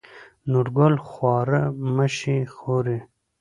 نورګل: خواره مه شې خورې.